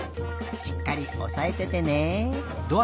しっかりおさえててね。